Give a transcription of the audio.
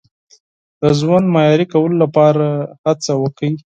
د ژوند معیاري کولو لپاره هڅه وکړئ.